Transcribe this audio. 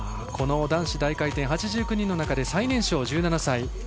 この男子大回転８９人の中で最年少の１７歳。